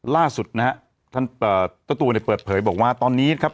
ล่าสุดนะครับท่านตัวตัวในเปิดเผยบอกว่าตอนนี้ครับ